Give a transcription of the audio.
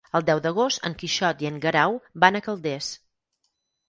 El deu d'agost en Quixot i en Guerau van a Calders.